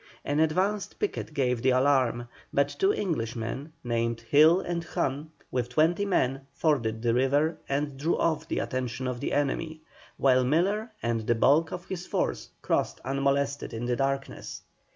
An advanced picket gave the alarm, but two Englishmen, named Hill and Hunn, with twenty men, forded the river, and drew off the attention of the enemy, while Miller and the bulk of his force crossed unmolested in the darkness.